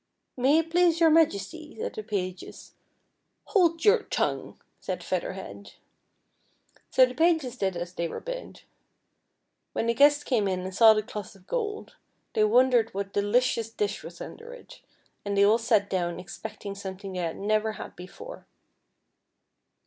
" May it please your Majesty," said the pages. " Hold your tongue," said Feather Head. So the pages did as they were bid. When the guests came in and saw the cloth of gold, they wondered what delicious dish was under it, and they all sat down expecting something the\' had never had before.